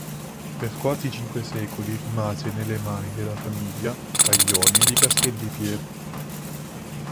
Per quasi cinque secoli rimase nelle mani della famiglia Baglioni di Castel di Piero.